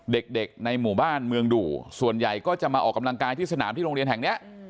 เด็กในหมู่บ้านเมืองดูส่วนใหญ่ก็จะมาออกกำลังกายที่สนามที่โรงเรียนแห่งเนี้ย